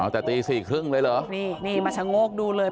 อ๋อแต่ตี๔ครึ่งเลยเหรอนี่มัชโงกดูเลย